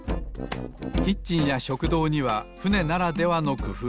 キッチンや食堂にはふねならではのくふうが。